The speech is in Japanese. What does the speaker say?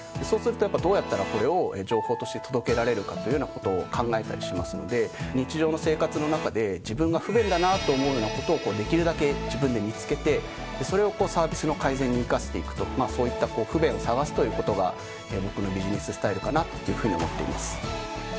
そうするとどうやったらこれを情報として届けられるかというようなことを考えたりしますので日常の生活の中で自分が不便だなと思うようなことをできるだけ自分で見つけてそれをサービスの改善に生かしていくとそういった不便を探すということが僕のビジネススタイルかなというふうに思っています。